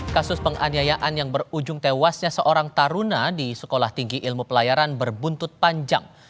kasus penganiayaan yang berujung tewasnya seorang taruna di sekolah tinggi ilmu pelayaran berbuntut panjang